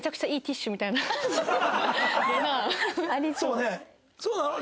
そうね。